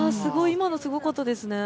今のすごかったですね。